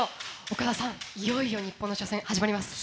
岡田さん、いよいよ日本の初戦、始まります。